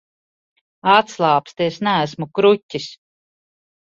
Atslābsti, es neesmu kruķis.